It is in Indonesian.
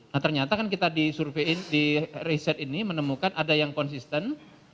nah ternyata kan kita disurvein di riset ini menemukan ada yang konsisten